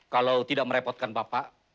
kalau tidak merepotkan bapak